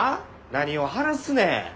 何を話すねん。